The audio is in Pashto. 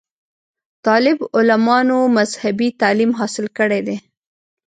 طالب علمانومذهبي تعليم حاصل کړے دے